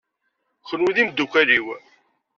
Kenwi d imeddukal-iw.